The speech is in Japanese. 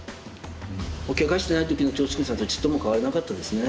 けがしてない時の趙治勲さんとちっとも変わりなかったですね。